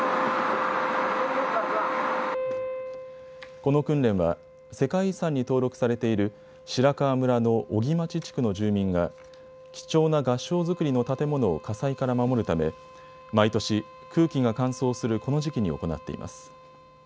この訓練は世界遺産に登録されている白川村の荻町地区の住民が貴重な合掌造りの建物を火災から守るため毎年、空気が乾燥するこの時期に行っています。